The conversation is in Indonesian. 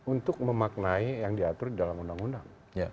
untuk memaknai yang diatur dalam undang undang